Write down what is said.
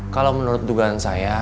kalau menurut dugaan saya